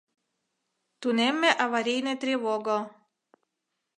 — Тунемме аварийный тревого!